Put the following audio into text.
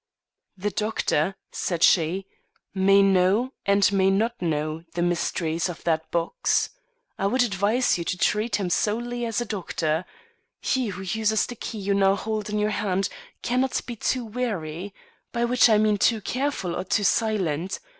"The doctor," said she, "may know, and may not know, the mysteries of that box. I would advise you to treat him solely as a doctor. He who uses the key you now hold in your hand cannot be too wary; by which I mean too careful or too silent.